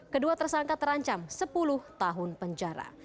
kedua tersangka terancam sepuluh tahun penjara